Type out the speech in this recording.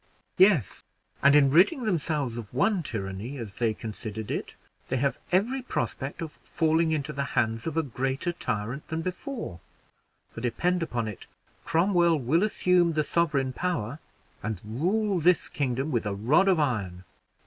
"Yes, and in ridding themselves of one tyranny, as they considered it, they have every prospect of falling into the hands of a greater tyrant than before; for, depend upon it, Cromwell will assume the sovereign power, and rule this kingdom with a rod of iron."